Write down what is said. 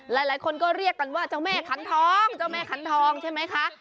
หลายคนก็เรียกกันว่าเจ้าแม่ขันทองเจ้าแม่ขันทองใช่ไหมคะ